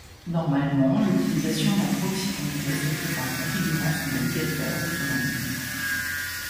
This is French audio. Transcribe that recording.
Normalement, l'utilisation d'un proxy complet se fait en configurant son navigateur ou son ordinateur.